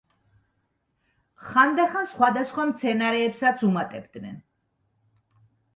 ხანდახან სხვადასხვა მცენარეებსაც უმატებდნენ.